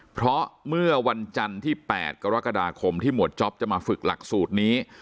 เพราะเมื่อวันจันทร์ที่๘กรกฎาคมที่หมวดจ๊อปจะมาฝึกหลักสูตรนี้